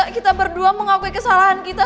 kita berdua mengakui kesalahan kita